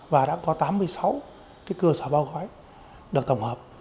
và đã có tám mươi sáu cơ sở bao gói được tổng hợp